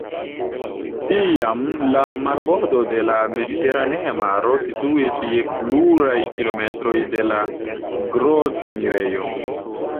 Tiam la marbordo de la Mediteranea maro situis je pluraj kilometroj de la grot-enirejo.